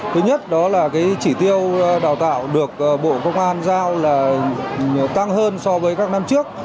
thứ nhất đó là chỉ tiêu đào tạo được bộ công an giao là cao hơn so với các năm trước